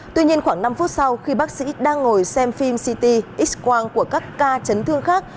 tuy nhiên khoảng năm phút sau khi bác sĩ đang ngồi xem phim city x quang của các ca chấn thương khác